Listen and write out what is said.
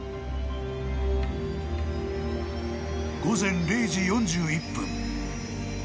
［午前０時４１分］